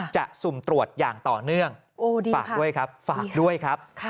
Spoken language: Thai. จะสุ่มตรวจอย่างต่อเนื่องฝากด้วยครับ